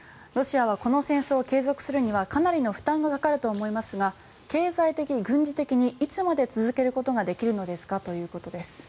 ロシアはこの戦争を継続するにはかなりの負担がかかると思いますが経済的、軍事的にいつまで続けることができるのですかということです。